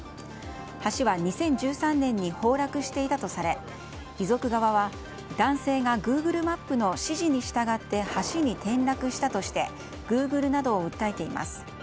橋は２０１３年に崩落していたとされ遺族側は男性がグーグルマップの指示に従って橋に転落したとしてグーグルなどを訴えています。